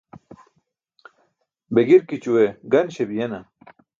Be girkićue gan śebiyena?